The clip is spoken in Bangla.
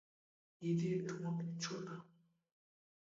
এদের ঠোঁট ছোট।